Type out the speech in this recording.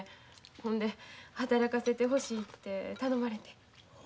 ほんで働かせてほしいて頼まれて。